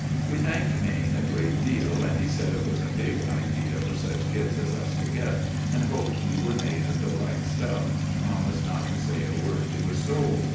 We thanked Maine a good deal, and he sed it was a big idea for such kids as us to get, and hoped we were made of the right stuff, and promised not to say a word to a soul.